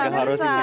gak harus ini juga